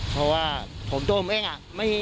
เพราะว่าผมโดยผมเองอะ